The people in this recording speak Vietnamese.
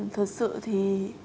thật sự thì